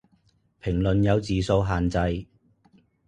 評論有字數限制